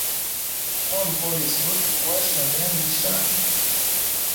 Common voice go tukwasha na myanda yishali.